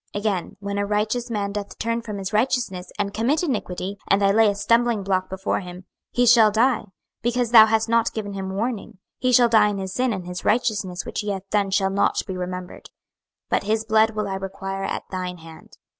26:003:020 Again, When a righteous man doth turn from his righteousness, and commit iniquity, and I lay a stumbling block before him, he shall die: because thou hast not given him warning, he shall die in his sin, and his righteousness which he hath done shall not be remembered; but his blood will I require at thine hand.